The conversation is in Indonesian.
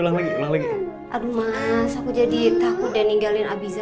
aduh mas aku jadi takut deh ninggalin abizar